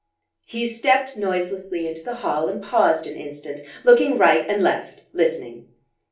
He stepped noiselessly into the hall and paused an instant, looking right and left, listening.